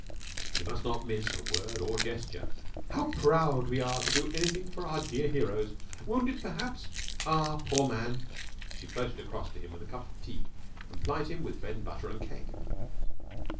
He must not miss a word or gesture. "How proud we are to do anything for our dear heroes! Wounded, perhaps? Ah, poor man!" She floated across to him with a cup of tea and plied him with bread and butter and cake.